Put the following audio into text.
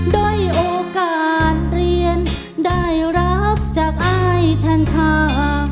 ด้วยโอกาสเรียนได้รับจากอายแทนค่า